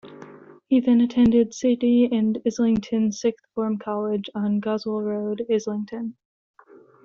He then attended City and Islington Sixth Form College on Goswell Road, Islington.